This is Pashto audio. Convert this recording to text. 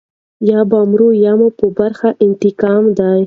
یا به مرو یا مو په برخه انتقام دی.